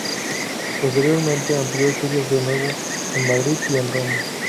Posteriormente amplió estudios de nuevo en Madrid y en Roma.